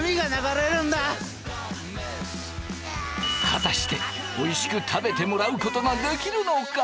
果たしておいしく食べてもらうことができるのか？